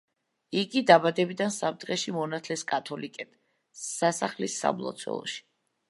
იგი დაბადებიდან სამ დღეში მონათლეს კათოლიკედ, სასახლის სამლოცველოში.